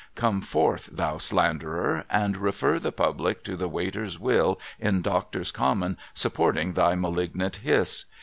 Come forth, thou slanderer, and refer the public to the Waiter's will in Doctors' Commons supporting thy malignant hiss